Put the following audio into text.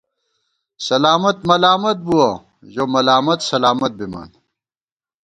سلامت ملامت بُوَہ، ژو ملامت سلامت بِمان